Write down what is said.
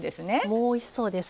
もうおいしそうです。